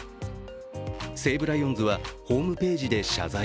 西武ライオンズはホームページで謝罪。